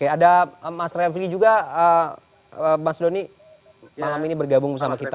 oke ada mas refli juga mas doni malam ini bergabung bersama kita